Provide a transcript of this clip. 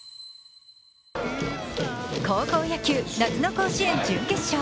高校野球、夏の甲子園準決勝。